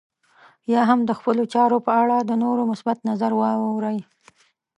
يا هم د خپلو چارو په اړه د نورو مثبت نظر واورئ.